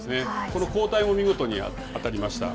この交代も見事に当たりました。